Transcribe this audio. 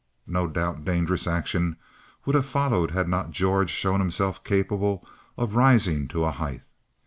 No doubt dangerous action would have followed had not George shown himself capable of rising to a height.